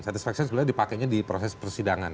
satisfaction sebenarnya dipakainya di proses persidangan